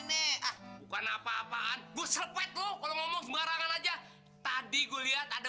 nih ah bukan apa apaan gue sepet lo kalau ngomong sembarangan aja tadi gua lihat ada